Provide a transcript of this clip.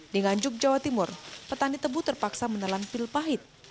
di nganjuk jawa timur petani tebu terpaksa menelan pil pahit